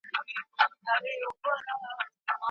نوي کارونه د ژوند د بدلون لپاره اړین دي.